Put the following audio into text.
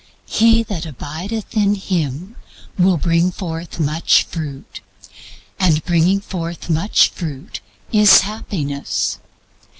He that abideth in Him will bring forth much fruit; and bringing forth much fruit is Happiness.